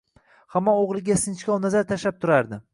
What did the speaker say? Hamon o‘g‘liga sinchkov nazar tashlab turardi.